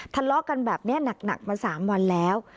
ทะเลาะกันแบบนี้หนักมา๓วันแล้ว